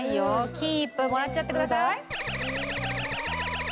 金一封もらっちゃってください。